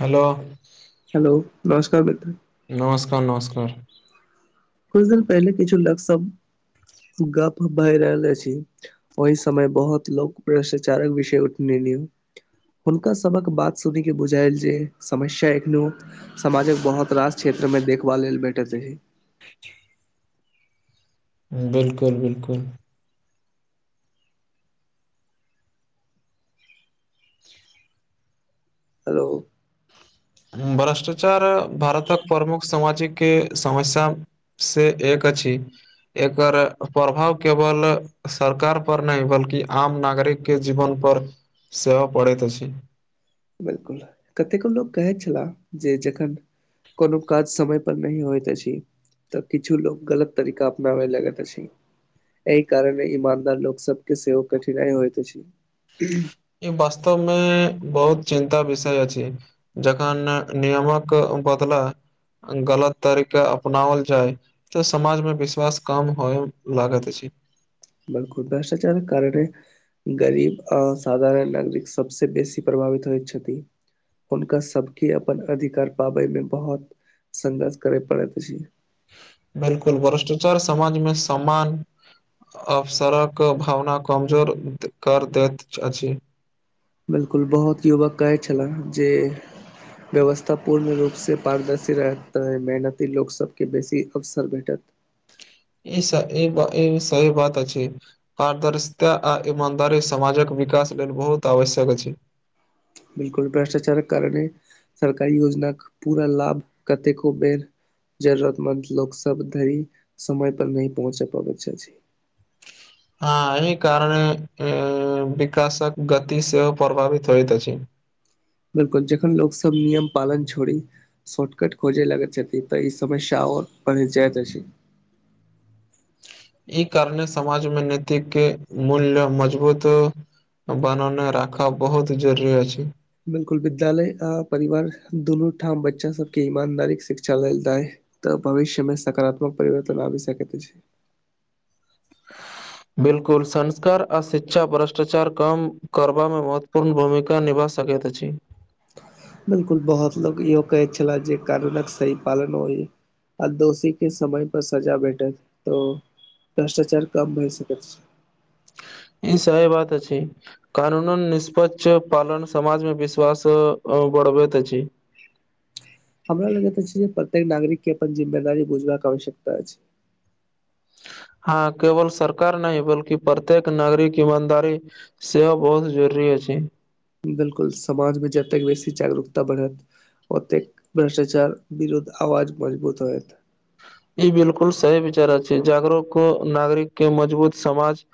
हलो! Hello नमस्कार मित्र! नमस्कार! नमस्कार! कुछ दिन पहिले किछु लोक से गप भए रहल अछी। ओहि समय बहुत लोक भ्रष्टाचारक विषय उठने हुनका सभक बात सुन के बुझायल जे, समस्या एखनो समाजक बहुत रास क्षेत्रमे देखबाल लेल भेटैत अछि। 'बिल्कुल' 'बिल्कुल'! हेलो! भ्रष्टाचार भारतक प्रमुख सामाजिके समस्या से एक अछि, एकर प्रभाव केवल सरकार पर नहि बल्कि आम नागरिक के जीवन पर सेहो पड़ैत अछि। 'बिल्कुल'! कतेको लोक कहैत छलाह, जे जखन कोनो काज समय पर नह होइत अछि। तऽ किछु लोक गलत तरीका अपनाबे लगैत अछि। एहि कारणे ईमानदार लोक सब के सेहो कठिनाई होइत अछि। ई वास्तवमे बहुत चिन्ता विषय अछि। जखन नियमक बदला आ गलत तरीका अपनाओल जाय तऽ समाजमे विश्वास कम होय लागैत अछि। 'बिल्कुल' भ्रष्टाचार कारणे गरीब असाधारण नागरिक सबसे बेसी प्रभावित होइत छथि। हुनका सबके अपन अधिकार पाबै मे बहुत संघर्ष कर पड़ैत अछि। 'बिल्कुल'! भ्रष्टाचार समाजमे समान अवसरक भावना कमजोर कर दैत अछि। 'बिल्कुल' बहुत युवक कहै छले जे व्यवस्था पूर्ण रूप से पारदर्शी रहता है, मेहनती लोक सबके बेसी अवसर भेठत। ई सह ई सह ई सरल बात अछी। पारदर्शिता आ ईमानदारी समाजक विकास लेल बहुत आवश्यक अछि। 'बिल्कुल' भ्रष्टाचारक कारणे सरकारी योजना पूरा लाभ कतेको बेर जरूरतमन्द लोक सब धरि समय पर नय पहुँच पाबे छैथ। हँ एहि कारणे विकासक गति सेहो प्रभावित होइत अछि। 'बिल्कुल' जखन लोक सब नियम पालन छोड़ी शोर्टकट खोजे लगत छथि, त ई समस्या और पढ़ जाइत अछि। ई कारणे समाज मे नैतिक मूल्य मजबूत बानोने राखब बहुत ज़रूरी अछि। बिल्कुल विद्यालय आ परिवार दुनू ठाम बच्चा सबके ईमानदारीक शिक्षा लेल दाए तऽ भविष्यमे सकारात्मक परिवर्तन आबी सकैत अछि। बिल्कुल संस्कार आ शिक्षा भ्रष्टाचार कम करबामे महत्वपूर्ण भूमिका निभास सकैत अछि। बिल्कुल बहुत लोक इहो कहैत छैला जे कानूनक सही पालन होय। आ दोषी के समय पर सजा भैटत त भ्रष्टाचार कम भए सकैत अछि। ई सही बात अछि कानूनन निष्पक्ष पालन समाजमे विश्वास अ बढ़बैत अछि। हमरा लगैत अछि जे प्रत्येक नागरिक के अपन जिम्मेदारी बुझबाक आवश्यकता अछि। हँ केवल सरकार नहि बल्कि प्रत्येक नागरिक ईमानदारी सेवा बहुत जरूरी अछि। बिल्कुल समाजमे जतेक बेसी जागरूकता बढ़त ओतेक भ्रष्टाचार बिरूद्ध आवाज मजबूत होयत ई बिल्कुल सही विचार अछि जागरूक नागरिक के मजबूत समाज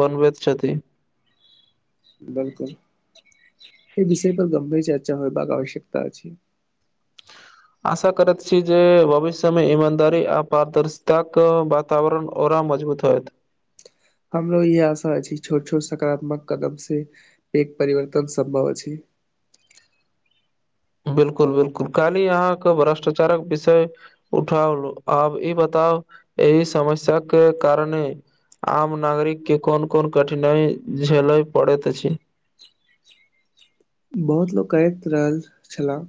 बनबैत छथि। बिलकुल एहि विषय पर गंभीर चर्चा होएबाक आवश्यकता अछि। आशा करैत छी जे भविष्यमे ईमानदारी आ पारदर्शिता कऽ बात वातावरण औरा मजबूत होयत हमरो इहे आशा अछि छोट-छोट सकारात्मक कदम से पैघ परिवर्तन सम्भव अछि बिलकुल- बिलकुल खाली अहाँके भ्रष्टाचारक विषय उठाओ आब ई बताउ एहि समस्या के कारणे आम नागरिक के कोन- कोन कठिनाई झेलय पड़ैत अछि। बहुत लोक करैत रहल छैला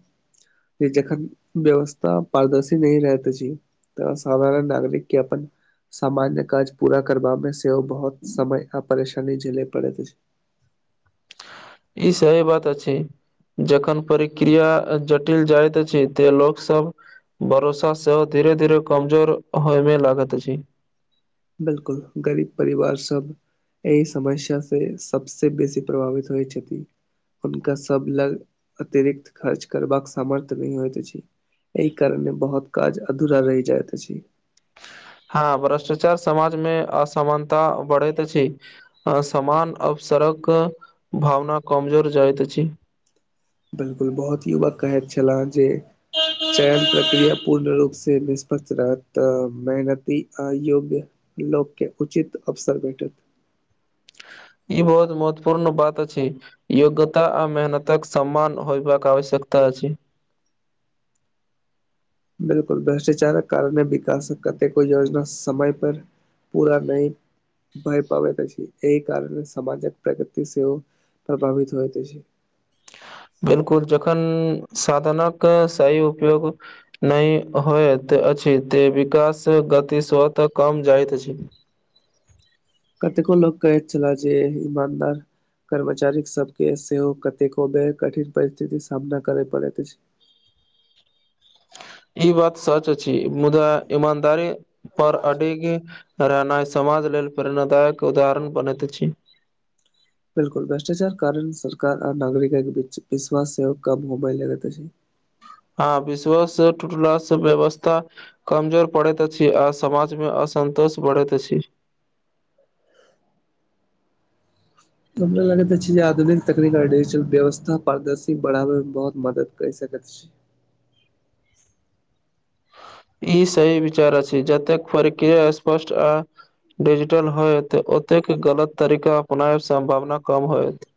की जखन व्यवस्था पारदर्शी नै रहैत अछि। तऽ साधारण नागरिक के अपन सामान्य काज पूरा करबा मे सेहो बहुत समय आ परेशानी झेलेै पड़ैत अछि। ई सही बात अछि। जखन प्रक्रिया जटिल जाइत अछि ते लोकसब भरोसा सेहो धीरे-धीरे कमजोर होइमे लागैत अछि। बिलकुल गरीब परिवार सब एहि समस्या से सबसे बेसी प्रभावित होइ छथि। हुनका सब लग अतिरिक्त खर्च करबाक सामर्थ्य नै होइत अछि। एहि कारणे बहुत काज अधूरा रहि जायत अछि। हँ भ्रष्टाचार समाज मे असमानता बढ़ैत अछि। असमान, अवसरक भावना कमजोर जाइत अछि। बिलकुल बहुत युवक कहैत छेलाह जे चयन प्रक्रिया पूर्ण रूप से निष्पक्ष रहत तऽ मेहनती आ योग्य लोक के उचित अवसर भेटत ई बहुत महत्वपूर्ण बात अछि। योग्यता आ मेहनतक सम्मान होयबाक आवश्यकता अछि। बिलकुल भ्रष्टाचारक कारणे विकासक कतेको योजना समय पर पूरा नैय। भय पाबैत अछि एहि कारण सामाजक प्रगति सेहो प्रभावित होइत अछि। बिलकुल जखन साधनक सही उपयोग नै होयैत अछि ते विकास गति स्वतः कम जाइत अछि। कतेको लोक कहैत छैला जे इमानदार कर्मचारी सब के सेहो कतेको बेर कठिन परिस्थितिक सामना करय पड़ैत अछि। ई बात सच अछि मुदा ईमानदारी पर अडिग राना समाज लेल प्रेरणादायक उदाहरण बनैत अछि। बिलकुल भ्रष्टाचार कारण सरकार आ नागरिक बीच विश्वास सेव कम होबै लगैत अछि। हँ विश्वास सेव टुटला सँ व्यवस्था कमजोर पड़ैत अछि, आ समाज मे असन्तोष बढ़ैत अछि। हमरा लगैत अछि, जे आधुनिक तकनीक और डिजिटल व्यवथा पारदर्शी बढ़ाबै मे बहुत मदद कहि सकत छी। ई सही विचार अछि, जतेक प्रक्रिया स्पष्ट आ डिजिटल होयत ओतेक गलत तरीका अपनाय सम्भावना कम होयत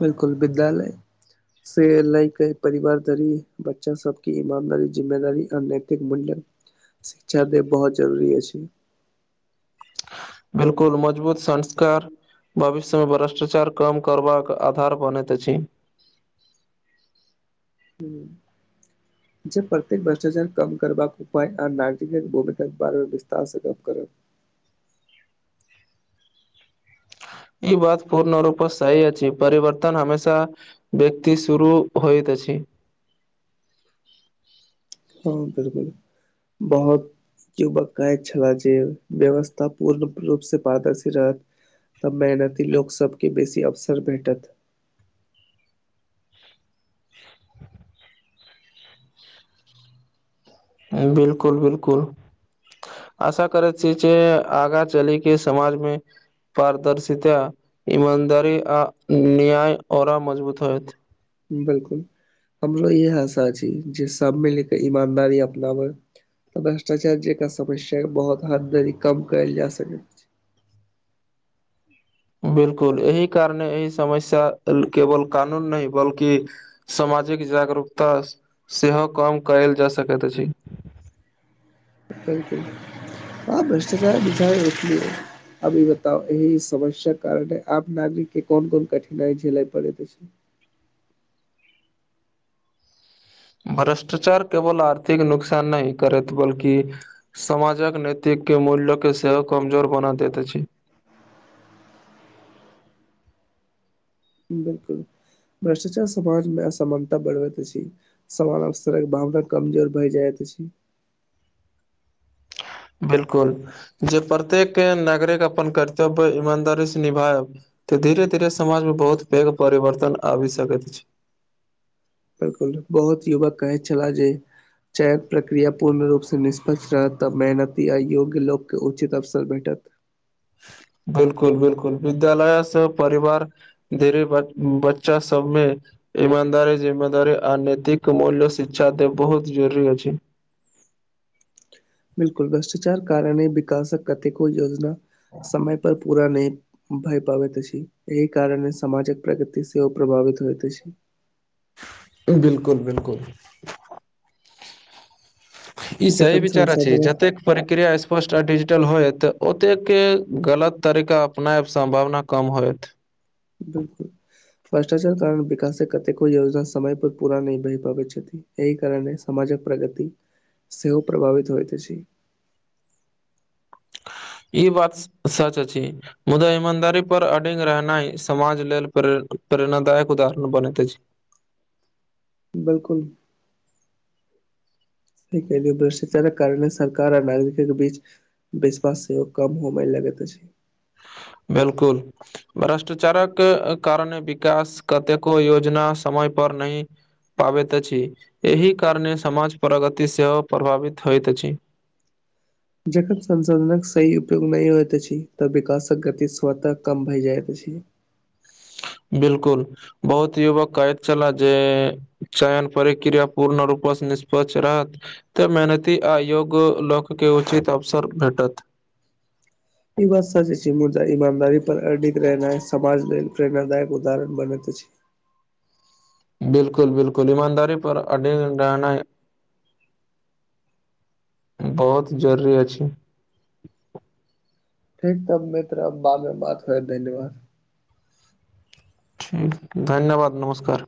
बिलकुल विद्यालय से लय के परिवार धरी बच्चो सबके ईमानदारी जिम्मेदारी अनेक मणडल शिक्षा देब बहुत जरूरी अछि बिलकुल मजबूत संस्कार भविष्य मे भ्रष्टाचार कम करबाक आधार बनैत अछि। हुम्म ह जे प्रत्येक भ्रष्टाचार कम करबाक उपाय आ नागरिक क भूमिका के बारेमे विस्तार सँ गप्प करब ई बात पूर्ण रूपे सही अछि, परिवर्तन हमेशा व्यक्ति शुरू होइत अछि। हँ बिलकुल बहुत के बकाय छला जे व्यवस्था पूर्ण रूप से पारदर्शी रहत तऽ मेहनती लोक सबके बेसी अवसर भेटत। [inaudible] बिल्कुल -बिलकुल आशा करैत छिय, जे आगाँ चलई के समाजमे पारदर्शिता इमानदारी आ न्याय ओरा मजबूत होयत। बिलकुल हमरो इहे आशा छी, जे सब मिलके ईमानदारी अपनावै। तऽ भ्रष्टाचार जेका समस्या ह बहुत हदारी कम कयल जा सकै। बिलकुल एहि कारणे एहि समस्या केवल कानून नय बल्कि सामाजिक जागरूकता सेहो कम कयल जा सकैत अछि। बिलकुल ह भ्रष्टाचार बझा रल [inaudible] अभी बताउ एहि समस्या कारणे आप नागरिक के कोन -कोन कठिनाइ झेलय पड़ैत अछि। भ्रष्टाचार केवल आर्थिक नुकसान नई करैत बलकि समाजक नैतिकके मूल्यके सेहो कमजोर बना दैत अछि। बिलकुल भ्रष्टाचार समाज मे असमानता बढ़बैत अछि। सामन्य सड़क भावना कमजोर भए जाइत अछि। बिलकुल जे प्रत्येक के नागरिक अपन कर्तव्य ईमानदारी से निभायब तऽ धीरे - धीरे समाज में बहुत पेघ परिवर्तन आबि सकैत छी। बिलकुल बहुत युवक कहै छला जे चयक प्रक्रिया पूर्ण रूपसँ निष्पक्ष रहत तऽ मेहनती आ योग्य लोककेँ उचित अवसर भेटत। बिलकुल -बिलकुल विद्यालयसँ परिवार गरीबक बच्चा सब मे इमदारी, जिमेदारी आ नैतिक मूल्य शिक्षा दे बहुत जरूरी अछि। बिलकुल भ्रष्टाचार कारणे विकासक कतेको योजना समय पर पूरा नहि भय पाबैत अछि एहि कारणे समामाजक प्रगति सेहो प्रभावित होइत अछि। बिलकुल बिलकुल ई सही जखन विचार अछि संसाधनक जतेक प्रक्रिया स्पष्ट आ डिजिटल होयत ओतेके गलत तरीका अपनायब सम्भावना कम होयत। बिलकुल भ्रष्टाचार कारण विकासक कतेको योजना समय पर पूरा नहि भए पाबैत छथि। एहि कारे सामाजक प्रगति सेहो प्रभावित होइत अछि। ई बात सच अछि। मुदा ईमानदारी पर अडिग रहनाए समाज लेल प्र प्रेरणादायक उदाहरण बनैत अछि। बिलकुल भ्रष्टाचारक कारण सरकार आ नागरिक‌ कऽ बीच विश्वास सेहो कम होबै लगैत अछि। बिलकुल भ्रष्टाचारक कारणे विकास कतेको योजना समय पर नहि पाबैत अछि एहि कारणे समाज प्रगति सेहो प्रभावित होइत अछि। जखन संसाधनक सही उपयोग नहि होइत अछि तऽ विकासक गति स्वतः कम भए जाइत अछि। बिलकुल बहुत युवक कहैत छैला जे चयन परिक्रिया पूर्ण रूपस निष्पक्ष रहत तऽ मेहनती आ योग्य लोकके उचित अवसर भेटत। ई बात सच छै मुद्दा ईमानदारी पर अर्डित रहनाइ समाज लेल प्रेरणादायक उदाहरण बनैत अछि। बिलकुल बिलकुल ईमानदारी पर अडिग रहनाए बहुत जरूरी अछि। ठीक तऽ मित्र आब बाद मे बात करब धन्यवाद। ठीक धन्यवाद नमस्कार।